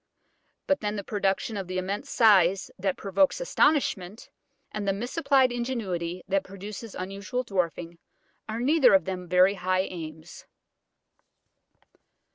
But then the production of the immense size that provokes astonishment, and the misapplied ingenuity that produces unusual dwarfing, are neither of them very high aims.